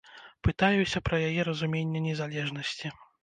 Пытаюся пра яе разуменне незалежнасці.